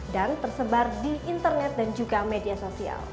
dan tersebar di internet dan juga media sosial